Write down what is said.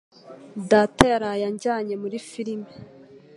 Data yaraye anjyanye muri firime.